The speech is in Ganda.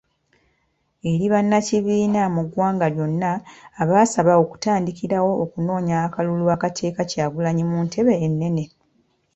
Eri bannakibiina mu ggwanga lyonna abasaba okutandikirawo okunoonya akalulu akateeka Kyagulanyi mu ntebe ennene.